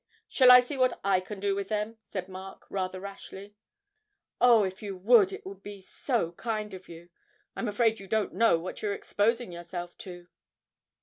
'Shall I see what I can do with them?' said Mark rather rashly. 'Oh, if you would it would be so kind of you. I'm afraid you don't know what you are exposing yourself to.'